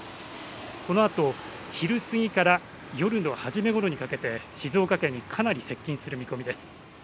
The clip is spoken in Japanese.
このあと昼過ぎから夜の初めごろにかけて静岡県にかなり接近する見込みです。